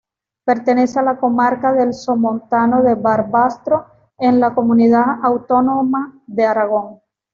Pertenece a la comarca del Somontano de Barbastro, en la comunidad autónoma de Aragón.